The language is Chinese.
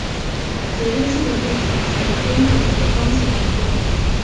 杰堆寺的布局是一封闭式方形庭院。